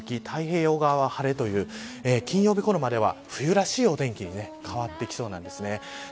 太平洋側は晴れという金曜日ごろまでは冬らしいお天気に変わってきそうなんです。